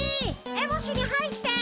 エボシに入って！